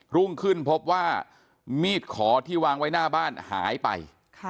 รุ่งขึ้นพบว่ามีดขอที่วางไว้หน้าบ้านหายไป